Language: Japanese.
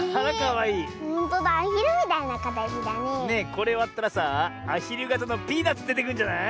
これわったらさあアヒルがたのピーナツでてくるんじゃない？